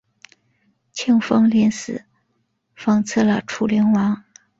庆封临死讽刺了楚灵王。